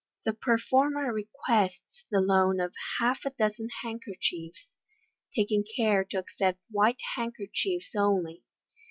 The performer requests the loan of half a dozen handkerchiefs, taking care to accept white handkerchiefs only.